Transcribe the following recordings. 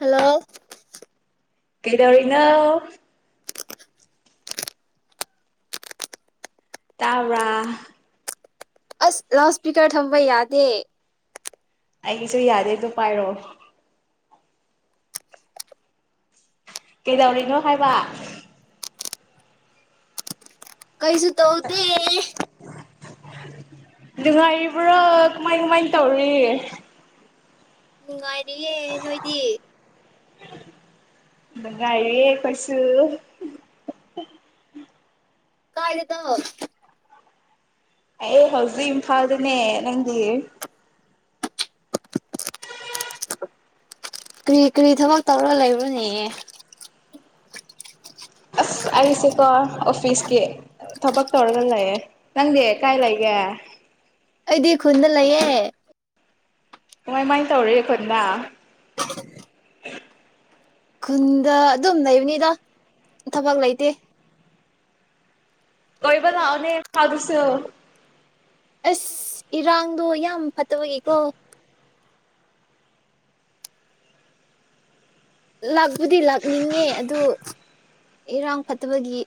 Hello ꯀꯗꯔꯤꯅꯣ ꯇꯥꯕ꯭ꯔꯥ ꯑꯁ ꯂꯥꯎꯠ ꯁꯄꯤꯀꯔ ꯊꯝꯕ ꯌꯥꯗꯦ ꯑꯩꯒꯤꯁꯨ ꯌꯥꯗꯦꯗꯣ ꯄꯥꯏꯔꯛꯑꯣ ꯀꯩꯗꯧꯔꯤꯅꯣ ꯍꯥꯏꯕ ꯀꯩꯁꯨ ꯇꯧꯗꯦ ꯅꯨꯡꯉꯥꯏꯔꯤꯕ꯭ꯔꯥ ꯀꯃꯥꯏ ꯀꯃꯥꯏꯅ ꯇꯧꯔꯤ ꯎꯝ ꯔꯤꯌꯦꯦ ꯅꯣꯏꯗꯤ ꯏ ꯀꯏꯦ ꯀꯁ ꯀꯥꯏꯗꯇ ꯑꯩ ꯍꯧꯖꯤꯛ ꯏꯝꯐꯥꯜꯗꯅꯦ ꯅꯪꯗꯤ ꯀꯔꯤ ꯀꯔꯤ ꯊꯕꯛ ꯇꯧꯔ ꯂꯩꯕ꯭ꯔꯣꯅꯦ ꯑꯩꯁꯦꯀꯣ ꯑꯣꯐꯤꯁꯀꯤ ꯊꯕꯛ ꯇꯧꯔꯒ ꯂꯩꯌꯦ ꯅꯪꯗꯤ ꯀꯥꯏ ꯂꯩꯒꯦ ꯑꯩꯗꯤ ꯈꯨꯟꯗ ꯂꯩꯌꯦꯦ ꯀꯃꯥꯏꯃꯥꯏꯅ ꯇꯧꯔꯤꯦ ꯑꯩꯣꯏꯅ [inaudible] [inaudible] ꯈꯨꯟꯗ ꯑꯗꯨꯝ ꯂꯩꯕꯅꯤꯗ ꯊꯕꯛ ꯂꯩꯇꯦ ꯀꯕ ꯊꯥꯎꯅꯦ ꯊꯥꯎꯗꯨꯁꯨ ꯑꯁ ꯏꯔꯥꯡꯗꯣ ꯌꯥꯝ ꯐ ꯠꯇꯕ ꯀꯦꯀꯣ ꯂ ꯕꯨꯗꯤ ꯂꯥꯛꯅꯤꯡꯉꯦ ꯑꯗꯨ ꯏꯔꯥꯡ ꯐꯠꯇꯕꯒꯤ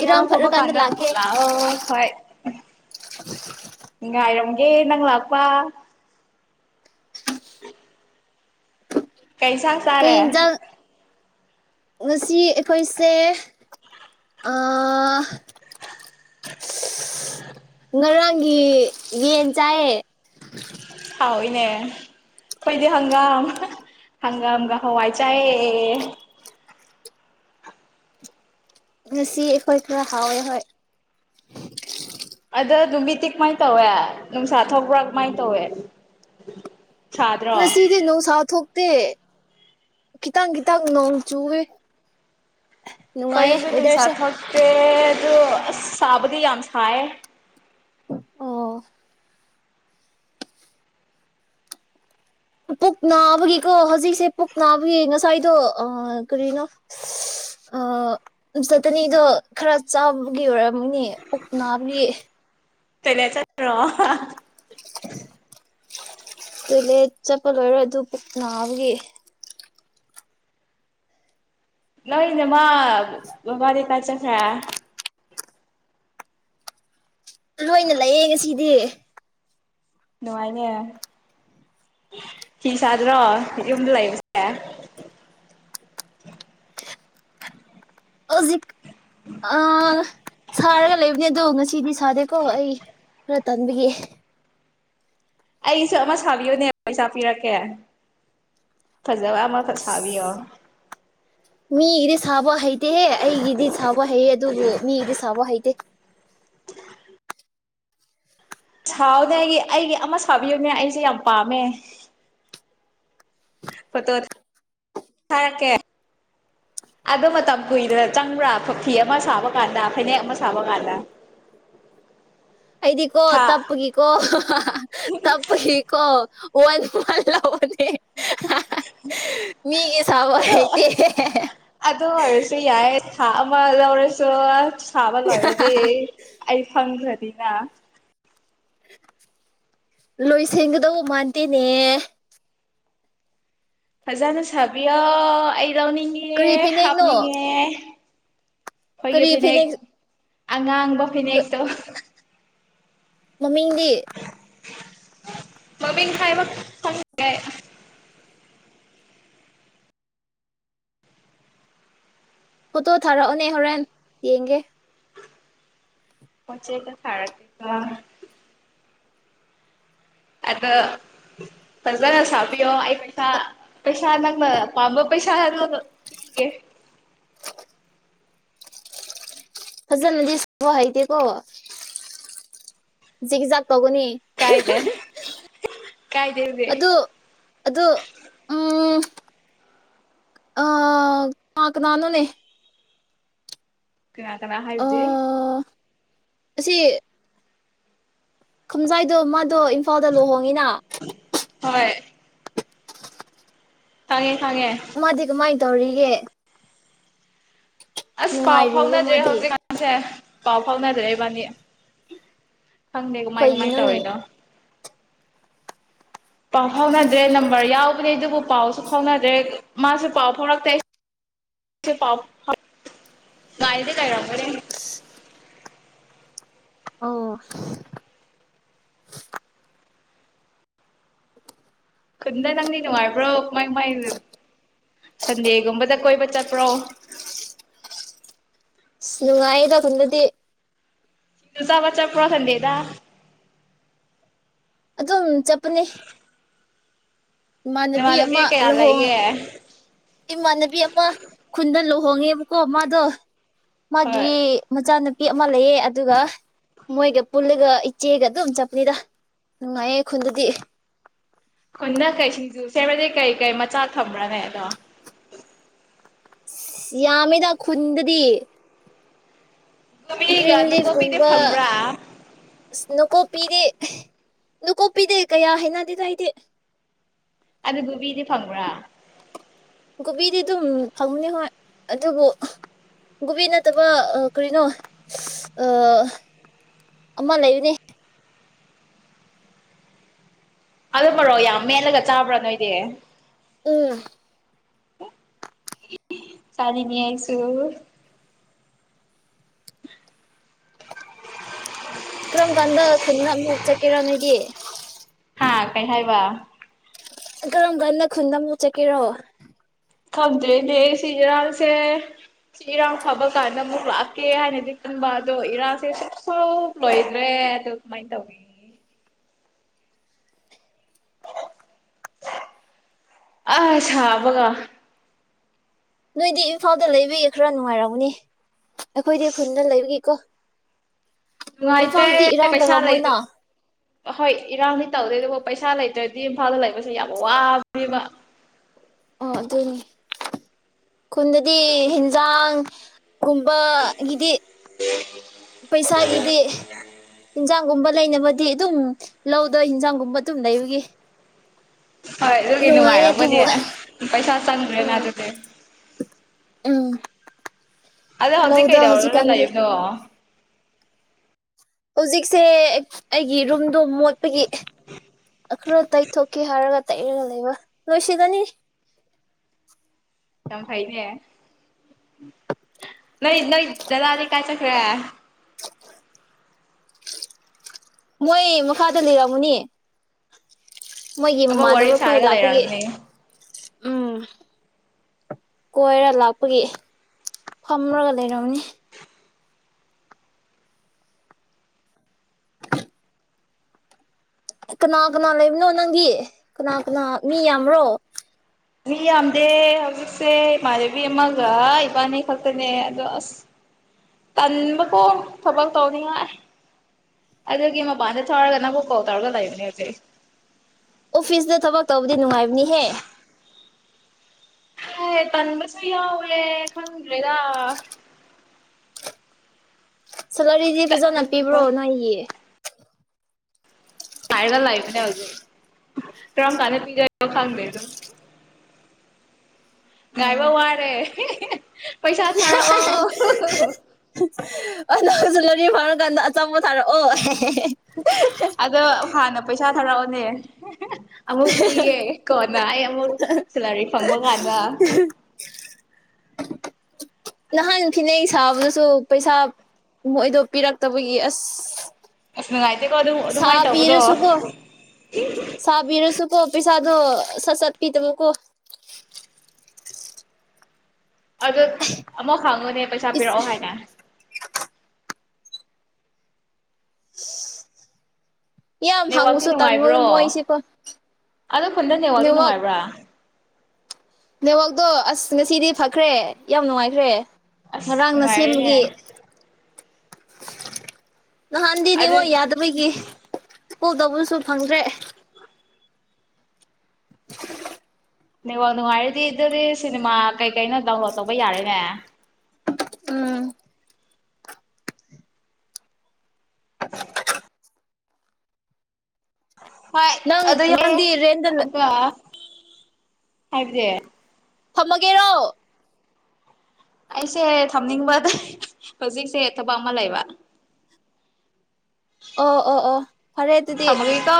ꯏꯔ ꯏꯔꯥꯡ ꯍꯕ ꯐꯠꯂꯀꯥꯟꯗ ꯀꯗ ꯂꯥꯛꯀꯦ ꯍ ꯏꯉꯥꯏꯔꯝ ꯑꯦ ꯅꯪ ꯂꯥꯛꯄꯥ ꯀꯩꯁꯥꯡ ꯀꯩ ꯆꯥꯔꯦ ꯌꯦꯟꯖꯥꯡ ꯉꯁꯤ ꯑꯩꯈꯣꯏꯁꯦ ꯑ ꯉꯔꯥꯡꯒꯤ ꯌꯦꯟ ꯆꯥꯏꯌꯦ ꯍꯏꯅꯦ ꯑꯩꯣꯏꯗꯤ ꯍꯪꯒꯥꯝ ꯍꯪꯒꯥꯝꯒ ꯍꯋꯥꯏ ꯆꯥꯏꯑ ꯉꯁꯤ ꯑꯩꯈꯣꯏ ꯈꯔ ꯍꯥꯎꯋꯦ ꯍꯣꯏ ꯑꯗ ꯅꯨꯃꯤꯠꯇꯤ ꯀꯃꯥꯏꯅ ꯇꯧꯋꯦ ꯅꯨꯡꯁꯥ ꯊꯣꯛꯄ꯭ꯔꯥ ꯀꯃꯥꯏꯅ ꯇꯧꯋꯦ ꯁꯥꯗ꯭ꯔꯣ ꯁꯤꯗꯦ ꯅꯣ ꯁꯥꯊ ꯇ ꯀꯈꯤꯇꯪ ꯈꯤꯇꯪ ꯅꯣꯡ ꯆꯨꯦ ꯀꯩꯁꯦꯠꯇ ꯁꯥ ꯍꯛꯇ ꯑꯗꯨ ꯁꯥꯕꯗꯤ ꯑꯟꯁꯥ ꯑꯣ ꯄꯨꯛ ꯅꯥꯕꯒꯤꯀꯣ ꯍꯧꯖꯤꯛꯁꯦ ꯄꯨꯛ ꯅꯥꯕꯒꯤ ꯉꯁꯥꯏꯗꯣ ꯀꯔꯤꯅꯣ ꯆꯠꯇꯅꯤꯗꯣ ꯈꯔ ꯆꯥꯕꯒꯤ ꯑꯣꯏꯔꯝꯃꯤꯅꯦ ꯄꯨꯛ ꯅꯥꯕꯒꯤ ꯆꯩꯅ ꯆ꯭ꯔꯣ ꯇꯨꯂꯦ ꯆꯠꯄ ꯂꯣꯏꯔꯣꯏ ꯑꯗꯨ ꯄꯨ ꯕꯒꯤ ꯅꯣꯏꯣꯏꯅꯦꯃ ꯃ ꯃꯥꯔꯦ ꯀꯥ ꯆ ꯈ ꯂꯣꯏꯅ ꯂꯩꯌꯦ ꯉꯁꯤꯗꯤ ꯅꯨꯡꯉꯥꯏꯅꯦꯤꯁ ꯣ ꯌꯨꯝꯗ ꯂꯩꯕꯦ ꯑꯦ ꯍꯧꯖꯤꯛ ꯑ ꯁꯔꯒ ꯂꯩꯕꯅꯤꯡ ꯑꯗꯨꯅ ꯁꯤꯤꯕꯤꯤ ꯊꯗꯦꯀꯣ ꯑꯩ ꯈꯔ ꯇꯥꯟꯕꯤꯒꯦ ꯑꯩꯁꯨꯁꯕꯤꯣꯅꯦ ꯄꯩꯁꯥ ꯄꯤꯔꯛꯀꯦ ꯐꯖꯕ ꯑꯃ ꯁꯥꯕꯤꯌꯣ ꯃꯤꯒꯤꯗꯤ ꯁꯥꯕ ꯍꯩꯇꯦꯍꯦ ꯑꯩꯒꯤꯗꯤ ꯁꯥꯕ ꯍꯩꯑ ꯑꯗꯨꯕꯨ ꯃꯤ ꯏꯗꯤ ꯁꯕ ꯍꯥꯏꯗꯦ ꯁꯥꯎꯎꯅꯦ ꯑꯩꯒꯤ ꯑꯩꯒꯤ ꯑꯃ ꯁꯥꯕꯤꯌꯨꯅꯦ ꯑꯩꯁꯦ ꯌꯥꯝ ꯄꯥꯝꯃꯦ ꯐꯣꯇꯣ ꯊꯔꯛꯀꯦ ꯑꯗꯣ ꯃꯇꯝ ꯀꯨꯏꯅ ꯆꯪꯕ꯭ꯔꯥ ꯐꯐꯤ ꯑꯃ ꯁꯥꯕ ꯀꯥꯟꯗ ꯐꯅꯦꯛ ꯑꯃ ꯁꯥꯕ ꯀꯥꯟꯗ ꯑꯩꯗꯤ ꯀꯣ ꯊꯥ ꯇꯞꯒꯤ ꯀꯣ ꯇꯞꯒꯤ ꯀꯣ ꯋꯥꯂ ꯃꯤ ꯀ ꯁꯥꯕ ꯍꯥꯏꯩꯇ ꯍ ꯑꯃ ꯧꯔꯦꯁꯨ ꯁꯥꯥꯕ ꯂꯣꯏꯔꯗꯤꯦ ꯑꯩ ꯐꯪꯈ꯭ꯔꯗꯤꯦ ꯑꯅ ꯂꯣꯏꯁꯟꯒꯗꯧ ꯃꯥꯟꯇꯦꯅꯦ ꯐꯖꯥꯅ ꯁꯥꯕꯤꯌ ꯑꯩ ꯗꯧꯅꯤꯡꯒꯦ ꯀꯔꯤ ꯐꯅꯦꯛꯅꯣ ꯍꯥꯞꯅꯤꯡꯉ ꯐꯣꯏꯒꯦ ꯀꯔꯤ ꯐꯅꯦꯦꯛ ꯐꯅꯦꯛ ꯉꯥꯡꯕ ꯐꯅꯦꯛꯇꯣ ꯃꯃꯤꯡꯗꯤ ꯃꯃꯤꯤꯟ ꯈꯕ ꯐꯣꯇꯣ ꯊꯥꯔꯛꯑꯣꯅꯦ ꯍꯣꯔꯦꯟ ꯌꯦꯡꯒꯦ ꯍꯆꯦꯗ ꯐꯔ ꯀ ꯑꯗ ꯐꯖꯒ ꯁꯥ ꯣ ꯑꯩ ꯄꯩꯁꯥ ꯄꯩꯁꯥ ꯅꯪꯅ ꯄꯥꯝꯕ ꯄꯩꯁ ꯑꯗꯨꯣ ꯍꯤꯦ ꯐꯖꯅꯗꯤꯕ ꯍꯥꯏꯗꯤꯦꯀꯣꯖ ꯇꯧꯒꯅꯤ ꯀꯥꯏꯗꯦ ꯀꯥꯏꯗꯦꯗꯤ ꯑꯗꯨ ꯑꯗꯨ ꯎꯝ ꯑ ꯀꯥ ꯀꯅꯥꯅꯣꯅꯦ ꯀꯅꯥ ꯀꯅꯥ ꯍꯥꯏꯗꯤꯦ ꯑꯁꯤꯁ ꯈꯝꯖꯥꯏꯗꯣ ꯃ ꯑꯗꯣ ꯏꯝꯐꯥꯜꯗ ꯂꯨꯍꯣꯡꯉꯤꯅ ꯍꯣꯏ ꯍꯥꯏꯌꯦ ꯃꯗꯤꯒ ꯃꯥꯥꯏ ꯇꯧꯔꯤꯒꯦ ꯑꯁ ꯄꯥꯎ ꯅꯨꯡꯉꯥꯏꯔꯤꯕ꯭ꯔꯣ ꯐꯥꯎꯅꯗ꯭ꯔꯦ ꯃꯥꯗꯤ ꯍꯧꯖꯤꯛꯀꯥꯟꯁꯦ ꯄꯥꯎ ꯐꯥꯎꯅꯗ꯭ꯔꯦ ꯏꯕꯥꯅꯤ ꯈꯪꯗꯦ ꯀꯃꯥꯏ ꯀꯃꯥꯏ ꯀꯩꯒꯤꯅꯣꯅꯦ ꯇꯧꯔꯤꯅꯣ ꯄꯥꯎ ꯐꯥꯎꯅꯗ꯭ꯔꯦ ꯅꯝꯕꯔ ꯌꯥꯎꯕꯅꯦ ꯑꯗꯨꯕꯨ ꯄꯥꯎꯁꯨ ꯐꯥꯎꯅꯗ꯭ꯔꯦ ꯃꯥꯁꯨ ꯄꯥꯎ ꯐꯥꯎꯔꯛꯇꯦꯥꯎ ꯉꯥꯏꯗꯤ ꯀꯩꯔꯝꯒꯅꯤ ꯑꯣ ꯈꯨꯟꯗ ꯅꯪꯗꯤ ꯅꯨꯡꯉꯥꯏꯕ꯭ꯔꯣ ꯀꯃꯥꯏ ꯀꯃꯥꯏ ꯁꯟꯗꯦꯒꯨꯝꯕꯗ ꯀꯣꯏꯕ ꯆꯠꯄ꯭ꯔꯣ ꯑ ꯅꯨꯡꯉꯥꯏꯌꯦꯗ ꯈꯄꯟꯗꯗꯤ ꯁꯤꯡꯖꯨ ꯆꯥꯕ ꯆꯠꯄ꯭ꯔꯣ ꯁꯟꯗꯦꯗ [inaudible] ꯆꯠꯄꯅꯤ꯫ ꯏꯃꯥꯟꯅꯕꯤ ꯅꯃꯥꯟꯅꯕꯤ ꯑꯃ ꯀꯌꯥ ꯂꯨꯍꯣꯡ ꯂꯩꯒꯦ ꯏꯃꯥꯟꯅꯕꯤ ꯑꯃ ꯈꯨꯟꯗꯨ ꯍꯣꯡꯉꯦꯕꯀꯣ ꯃꯗꯣ ꯍꯣꯏ ꯃꯥꯒꯤ ꯃꯆꯥꯅꯨꯄꯤ ꯃꯥ ꯂꯩꯌꯦꯦ ꯑꯗꯨꯒ ꯃꯣꯏꯒ ꯄꯨꯜꯂꯒ ꯏꯆꯦꯒ ꯑꯗꯨꯝ ꯆꯞꯄꯅꯤꯗ ꯅꯨꯡꯉꯥꯏꯌꯦ ꯈꯨꯟꯗꯗꯤ꯫ ꯈꯨꯟꯅ ꯀꯩ [unintelligible] ꯀꯩ ꯀꯩ ꯃꯆꯥꯛ ꯊꯝꯕ꯭ꯔꯅꯦ ꯑꯗꯣ ꯌꯥꯃꯤꯗꯥ ꯈꯨꯟꯗꯗꯤ꯫ ꯀꯣꯕꯤꯒ ꯒ꯭ꯔꯤꯟ ꯅꯥꯀꯨꯞꯄꯤꯗꯤ ꯂꯤꯐꯒꯨꯝꯕ ꯐꯪꯕ꯭ꯔꯥ ꯁ꯭ꯅꯣꯀꯣꯞ ꯄꯤꯗꯦ ꯅꯀꯣꯛ ꯄꯤꯗꯦ ꯀꯌꯥ ꯍꯥꯏꯅꯗꯦ ꯑꯩꯗꯤ꯫ ꯑꯗꯨ ꯒꯣꯕꯤꯗꯤ ꯐꯪꯕ꯭ꯔꯥ? ꯀꯣꯕꯤꯗꯤ ꯑꯗꯨꯝ ꯐꯪꯉꯨꯅꯤ ꯍꯣꯏ ꯑꯗꯨꯕꯨ ꯒꯣꯕꯤ ꯅꯠꯇꯕ ꯀꯔꯤꯅꯣ ꯑꯃ ꯂꯩꯕꯅꯦ꯫ ꯑꯗꯨ ꯃꯔꯣ ꯌꯥꯝ ꯃꯦꯠꯂꯒ ꯆꯥꯕ꯭ꯔꯥ ꯅꯣꯏꯗꯤ? ꯎꯝ꯫ ꯆꯥ ꯅꯤꯉꯥ ꯑꯩ꯫ [inaudible] ꯀꯔꯝ ꯀꯥꯟꯗ ꯈꯨꯟꯗ ꯑꯃꯨꯛ ꯆꯠꯀꯦꯔꯣ ꯅꯣꯏꯗꯤ꯫ ꯍꯥꯥ ꯀꯩ ꯍꯥꯏꯕ? ꯀꯔꯝ ꯀꯥꯟꯗ ꯈꯨꯟꯗ ꯑꯃꯨꯛ ꯆꯠꯀꯦꯔꯣ? ꯈꯪꯗ꯭ꯔꯦꯅꯦ ꯁꯤ ꯏꯔꯥꯡꯁꯦ ꯁꯤ ꯏꯔꯥꯡ ꯐꯕ ꯀꯥꯟꯗ ꯑꯃꯨꯛ ꯂꯥꯛꯀꯦ ꯍꯥꯏꯅꯗꯤ ꯈꯟꯕ ꯑꯗꯣ ꯏꯔꯥꯡꯁꯦ ꯁꯨꯝ ꯂꯣꯏꯗ꯭ꯔꯦ ꯑꯗꯣ ꯀꯃꯥꯏꯅ ꯇꯧꯏ꯫ ꯑ ꯁꯥꯥꯕꯒ ꯅꯣꯏꯗꯤ ꯏꯝꯐꯥꯜꯗ ꯂꯩꯕꯤꯌꯦ ꯈꯔ ꯅꯨꯡꯉꯥꯏꯔꯎꯅꯦ ꯑꯩꯈꯣꯏꯗꯤ ꯈꯨꯟꯗ ꯂꯩꯕꯀꯣ ꯅꯨꯡꯉꯥꯏꯇꯦ ꯄꯩꯁꯥ ꯂꯩꯗ ꯑꯍꯣꯏ ꯏꯔꯥꯡꯗꯤ ꯇꯧꯗꯣꯏ ꯑꯗꯨ ꯄꯩꯁꯥ ꯂꯩꯇ꯭ꯔꯗꯤ ꯏꯝꯐꯥꯜꯗ ꯂꯩꯕꯁꯦ ꯌꯥꯝ ꯋꯥꯕꯅꯦꯕ꯫ ꯑꯣ ꯑꯗꯨꯅꯤ꯫ ꯈꯨꯟꯗꯗꯤ ꯍꯟꯖꯥꯡ ꯒꯨꯝꯕ ꯍꯤꯗꯤ ꯄꯩꯁꯥꯒꯤꯗꯤ ꯏꯟꯖꯥꯡꯒꯨꯝꯕ ꯂꯩꯅꯕꯗꯤ ꯑꯗꯨꯝ ꯂꯧꯗ ꯍꯟꯖꯥꯡꯒꯨꯝꯕ ꯑꯗꯨꯝ ꯂꯩꯕꯒꯤ ꯍꯣꯏ ꯑꯗꯨꯒꯤ ꯅꯨꯪꯉꯥꯏ ꯅꯨꯡꯉꯥꯏꯌꯦ ꯔꯝꯒꯅꯤ ꯑꯗꯨꯕꯨ ꯄꯩꯁꯥ ꯆꯪꯅ꯭ꯔꯦ ꯅ ꯎꯝ ꯑꯗꯨꯗꯤ꯫ ꯎꯝ꯫ ꯑꯗꯣ ꯍꯧꯖꯤꯛ ꯂꯧꯗ ꯀꯩꯗꯔꯒ ꯍꯧꯖꯤꯛꯀꯥꯟꯗꯤ ꯂꯩꯕꯅ? ꯍꯧꯖꯤꯛꯁꯦ ꯑꯩꯒꯤ ꯔꯨꯝ ꯑꯗꯨ ꯃꯣꯠꯄꯥꯒꯤ ꯈꯔ ꯇꯩꯊꯣꯛꯀꯦ ꯍꯥꯏꯔꯒ ꯇꯩꯔꯒ ꯂꯩꯕ ꯂꯣꯏꯁꯤꯜꯂꯅꯤ꯫ ꯌꯥꯝ ꯐꯩꯅꯦ꯫ ꯅ ꯅꯣꯏ ꯗꯥꯗ ꯗꯤ ꯀꯥꯏ ꯆꯠꯈꯔ꯭ꯦ? ꯃꯣꯏ ꯃꯈꯥꯗ ꯂꯩꯔꯝꯃꯨꯅꯤ꯫ ꯃꯣꯏꯒꯤ ꯑꯃ ꯃꯃꯥꯟꯅꯕ ꯋꯥꯔꯤ ꯈ꯭ꯋꯥꯏ ꯁꯥꯔꯒ ꯂꯥꯛꯄꯒꯤ ꯂꯩꯔꯝꯅꯤ ꯎꯝ ꯀꯣꯏꯔ ꯂꯥꯛꯄꯒꯤ ꯐꯝꯂꯒ ꯂꯩꯔꯝꯅꯤ ꯀꯅꯥ ꯀꯅꯥ ꯂꯩꯕꯅꯣ ꯅꯪꯒꯤ ꯀꯅꯥ ꯀꯅꯥ ꯃꯤ ꯌꯥꯝ꯭ꯔꯣ ꯃꯤ ꯌꯥꯝꯗꯦ ꯍꯧꯖꯤꯛꯁꯦ ꯏꯃꯥꯟꯅꯕꯤ ꯑꯃꯒ ꯏꯕꯥꯅꯤ ꯈꯛꯇꯅꯦ ꯑꯗꯣ ꯑꯁ ꯇꯟꯕꯀꯣ ꯊꯕꯛ ꯇꯧꯅꯤꯉꯥꯏ ꯑꯗꯨꯒꯤ ꯃꯄꯥꯟꯗ ꯊꯧꯔꯒ ꯅꯪꯕꯨ ꯀꯣꯜ ꯇꯧꯔꯒ ꯂꯩꯕꯅꯦ ꯍꯧꯖꯤꯛ ꯑꯣꯐꯤꯁꯇ ꯊꯕꯛ ꯇꯧꯕꯗꯤ ꯅꯨꯡꯉꯥꯏꯕꯅꯤꯍꯦ ꯑꯦ ꯇꯟꯕꯁꯨ ꯌꯥꯎꯋꯦ ꯈꯪꯗ꯭ꯔꯦꯗ ꯁꯦꯂꯔꯤꯗꯤ ꯐꯖꯅ ꯆꯠꯅꯤꯡꯕ ꯄꯤꯕ꯭ꯔꯣ ꯅꯣꯏꯒꯤ ꯇꯔꯒ ꯂꯥꯏꯕꯅꯦ ꯍꯧꯖꯤꯦ ꯀꯔꯝ ꯀꯥꯟ ꯄꯤꯖ ꯐꯪ ꯂꯩꯅꯨ ꯉꯥꯏꯕ ꯋꯥꯔꯦ ꯍ ꯑ ꯀꯔꯤ ꯐꯔ ꯀꯥꯟꯗ ꯑꯆꯝꯕ ꯊꯥꯔꯛꯑꯣ ꯑꯗꯣ ꯍꯥꯟꯅ ꯄꯩꯁꯥ ꯊꯥꯔꯛꯑꯣꯅꯦ INAUDIBLE ꯑꯃꯨꯛ ꯄꯤꯒꯦ ꯀꯣꯟꯅ ꯑꯩ ꯑꯃꯨꯛ ꯁꯦꯂꯔꯤ ꯐꯪꯕ ꯀꯥꯟꯗ ꯅꯍꯥꯟ ꯐꯤꯅꯩ ꯁꯥꯕꯗꯁꯨ ꯄꯩꯁꯥ ꯃꯣꯏꯗꯣ ꯄꯤꯔꯛꯇꯕꯒꯤ ꯑꯁ ꯑꯁ ꯅꯨꯡꯉꯥꯏꯇꯦꯀꯣ ꯑꯗꯨ ꯑꯗꯨꯃꯥꯏꯅ ꯇꯧꯕꯗꯣ ꯁꯥꯕꯤꯔꯁꯨꯀꯣ ꯀꯣ ꯄꯁꯥꯗꯣ ꯁꯁꯛ ꯄꯤ ꯇꯕ ꯀꯣ ꯑꯗꯨ ꯑꯃꯥꯎ ꯈꯥꯡꯉꯨꯅꯦ ꯄꯩꯁꯥ ꯏꯁ ꯄꯤꯔꯛꯑꯣ ꯍꯥꯏꯅ INAUDIBLE ꯅꯦꯋꯥꯛꯇꯤ ꯅꯨꯡꯉꯥꯏꯕ꯭ꯔꯣ ꯑꯗꯣ ꯈꯨꯟꯗ ꯅꯦꯠꯋꯥꯛꯇꯤ ꯅꯨꯡꯉꯥꯏꯕ꯭ꯔꯥ ꯅꯦꯠꯋꯥꯛꯛꯇꯣ ꯑꯁ ꯉꯁꯤꯗꯤ ꯐꯈ꯭ꯔꯦ ꯌꯥꯝ ꯅꯨꯡꯉꯥꯏꯈ꯭ꯔꯦ ꯑꯁ ꯉꯔꯥꯡꯅ ꯅꯨꯡꯉꯥꯏꯔꯦꯅꯦ ꯁꯦꯝꯕꯒꯤ ꯑꯗꯨ ꯅꯍꯥꯟꯗꯅꯤꯉꯣ ꯌꯥꯗꯕꯒꯤ ꯄꯨꯗꯧꯕꯁꯨ ꯐꯪꯗ꯭ꯔꯦ [inaudible] ꯅꯦꯠꯋꯥꯛ ꯅꯨꯡꯉꯥꯏꯔꯗꯤ ꯑꯗꯨꯗꯤ ꯁꯤꯅꯦꯃꯥ ꯀꯩ ꯀꯩꯅꯣ ꯗꯥꯎꯟꯂꯣꯗ ꯇꯧꯕ ꯌꯥꯔꯦꯅꯦ꯫ ꯎꯝ [inaudible] ꯍꯣꯏ ꯅꯪ ꯑꯗꯨ ꯅꯪꯗꯤ ꯔꯦꯟꯗ ꯑꯗꯒ꯫ ꯍꯥꯏꯗꯤ꯫ ꯊꯝꯃꯒꯦꯔꯣ ꯑꯩꯁꯦ ꯊꯝꯅꯤꯡꯕꯗ ꯍꯧꯖꯤꯛꯁꯦ ꯊꯕꯛ ꯑꯃ ꯂꯩꯕ꯫ ꯑꯣ ꯑꯣ ꯑꯣ ꯐꯔꯦ ꯑꯗꯨꯗꯤ꯫ ꯊꯝꯃꯒꯦꯀꯣ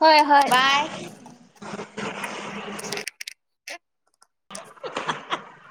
ꯍꯣꯏ ꯍꯣꯏ ꯕꯥꯏ [inaudible]